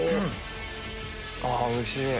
おいしい！